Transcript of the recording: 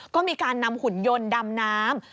ก็มีการนำหุ่นยนต์ดำน้ำ